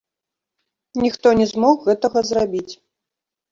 Ніхто не змог гэтага зрабіць.